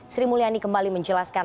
sri mulyani kembali menjelaskan